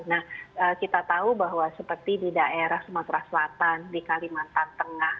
nah kita tahu bahwa seperti di daerah sumatera selatan di kalimantan tengah